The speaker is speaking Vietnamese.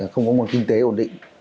không có một kinh tế ổn định